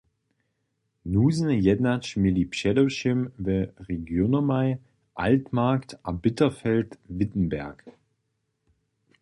Nuznje jednać měli předewšěm w regionomaj Altmark a Bitterfeld-Wittenberg.